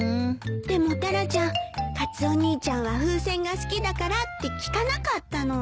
でもタラちゃん「カツオ兄ちゃんは風船が好きだから」って聞かなかったの。